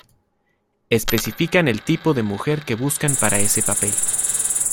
Especifican el tipo de mujer que buscan para ese papel.